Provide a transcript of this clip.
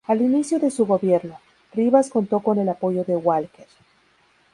Al inicio de su gobierno, Rivas contó con el apoyo de Walker.